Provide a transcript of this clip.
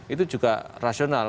itu juga rasional